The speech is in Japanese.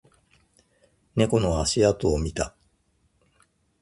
猫の足跡を見た